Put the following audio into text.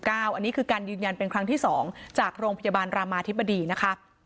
อันนี้คือการยืนยันเป็นครั้งที่๒จากโรงพยาบาลรามาธิบดีนะคะ